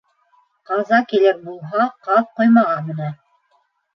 Ҡаза килер булһа, ҡаҙ ҡоймаға менә.